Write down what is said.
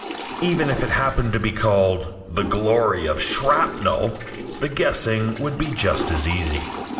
Even if it happened to be called "The Glory of Shrapnel," the guessing would be just as easy.